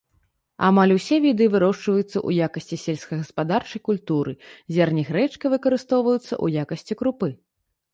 Амаль усе віды вырошчваюцца ў якасці сельскагаспадарчай культуры, зерні грэчкі выкарыстоўваюцца ў якасці крупы.